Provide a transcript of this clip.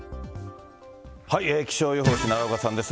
気象予報士、奈良岡さんです。